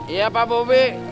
iya pak bobi